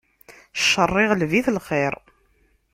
Cceṛ, iɣleb-it lxiṛ.